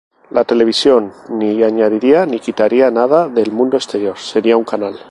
La televisión ni añadiría ni quitaría nada del mundo exterior, sería un canal.